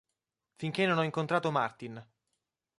Finché non ho incontrato Martin.